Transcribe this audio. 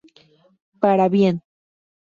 Para bien.